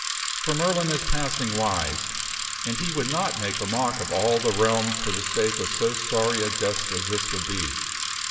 For Merlin is passing wise, and he would not make a mock of all the realm for the sake of so sorry a jest as this would be.